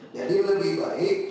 jadi lebih baik